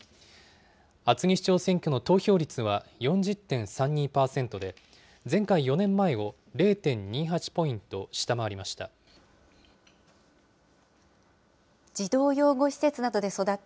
厚木市長選挙の投票率は４０．３２％で、前回・４年前を０．２８ポイント下回りました。